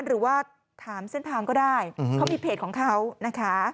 หรือว่าถามเส้นทางก็ได้เขามีเพจของเขานะคะ